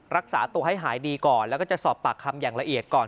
รักษาตัวให้หายดีก่อนแล้วก็จะสอบปากคำอย่างละเอียดก่อน